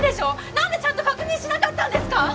何でちゃんと確認しなかったんですか！？